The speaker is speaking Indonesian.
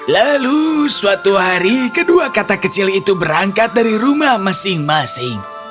lalu suatu hari kedua kata kecil itu berangkat dari rumah masing masing